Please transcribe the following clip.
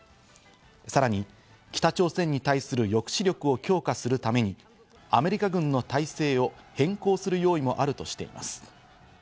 さらに北朝鮮に対する抑止力を強化するために、アメリカ軍の態勢を変更する用意もあるとしています。